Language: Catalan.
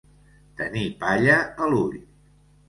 Tenir palla a l'ull.